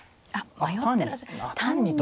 迷ってらっしゃる。